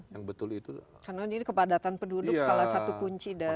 karena ini kepadatan penduduk salah satu kunci dari infeksi